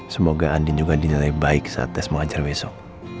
semoga andin juga dinilai baik saat tes mengajar besok